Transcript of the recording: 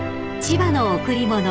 ［『千葉の贈り物』］